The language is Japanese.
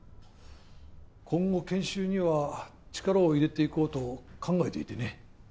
今後研修には力を入れていこうと考えていてね